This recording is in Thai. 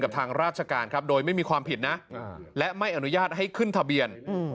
ทางราชการครับโดยไม่มีความผิดนะและไม่อนุญาตให้ขึ้นทะเบียน